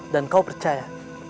dan kau percaya